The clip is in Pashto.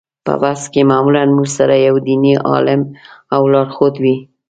په بس کې معمولا موږ سره یو دیني عالم او لارښود وي.